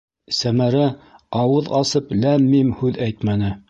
Сәмәрә ауыҙ асып ләм-мим һүҙ әйтмәне.